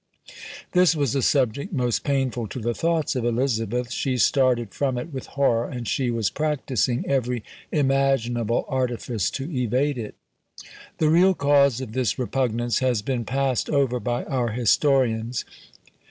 This was a subject most painful to the thoughts of Elizabeth; she started from it with horror, and she was practising every imaginable artifice to evade it. The real cause of this repugnance has been passed over by our historians.